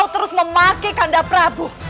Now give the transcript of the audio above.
kau terus memakai kandah prabu